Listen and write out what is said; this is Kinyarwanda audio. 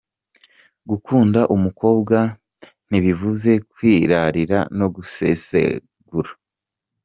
Gukunda umukobwa ntibivuze kwirarira no gusesagura.